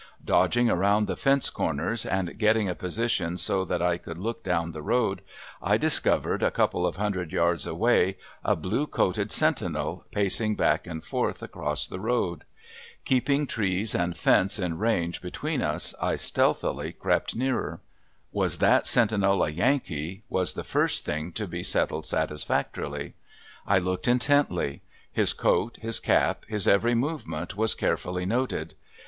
Dodging around fence corners and getting a position so that I could look down the road, I discovered a couple of hundred yards away, a blue coated sentinel pacing back and forth across the road. Keeping trees and fence in range between us I stealthily crept nearer. Was that sentinel a Yankee was the first thing to be settled satisfactorily? I looked intently. His coat, his cap, his every movement was carefully noted.